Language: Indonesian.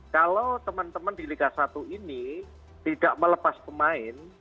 kalau teman teman di liga satu ini tidak melepas pemain